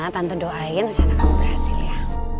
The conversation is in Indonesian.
tanpa doain rencana kamu berhasil ya